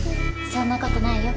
そんなことないよ。